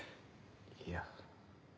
いや。